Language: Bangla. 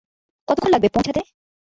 কতক্ষণ লাগবে পৌঁছাতে?